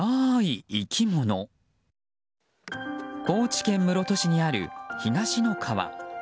高知県室戸市にある東ノ川。